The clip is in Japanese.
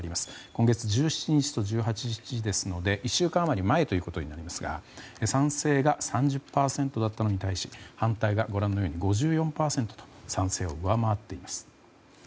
今月１７日と１８日ですので１週間余り前となりますが賛成が３０％だったのに対し反対が、ご覧のように５４％と賛成を上回っています。